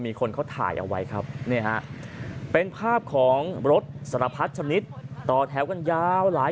มีคนเขาถ่ายเอาไว้ครับนี่ฮะเป็นภาพของรถสารพัดชนิดต่อแถวกันยาวหลาย